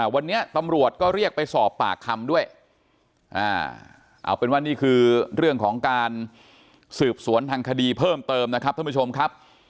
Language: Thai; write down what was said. วันนี้ตำรวจก็เรียกไปสอบปากคำด้วยเอาเป็นว่านี่คือเรื่องของการสืบสวนทางคดีเพิ่มเติมนะครับท่านผู้ชมครับ